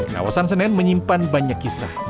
kawasan senen menyimpan banyak kisah